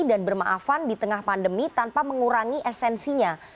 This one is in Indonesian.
dan bermaafan di tengah pandemi tanpa mengurangi esensinya